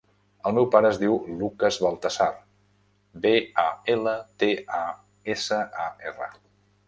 El meu pare es diu Lucas Baltasar: be, a, ela, te, a, essa, a, erra.